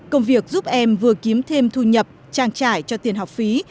công việc giúp em vừa kiếm thêm thu nhập trang trải cho tiền học phí